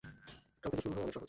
কাউকে দুশমন ভাবা অনেক সহজ।